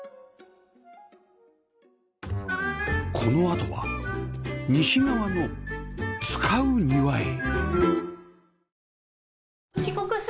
このあとは西側の「使う庭」へ